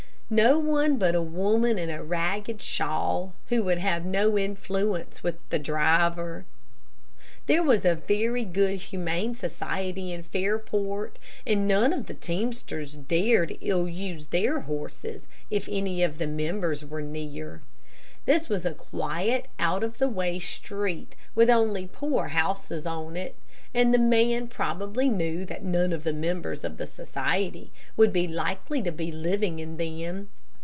No one but a woman in a ragged shawl who would have no influence with the driver. There was a very good humane society in Fairport, and none of the teamsters dared ill use their horses if any of the members were near. This was a quiet out of the way street, with only poor houses on it, and the man probably knew that none of the members of the society would be likely to be living in them.